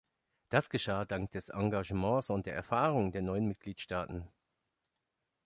Das geschah dank des Engagements und der Erfahrung der neuen Mitgliedstaaten.